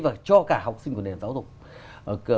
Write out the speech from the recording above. và cho cả học sinh của nền giáo dục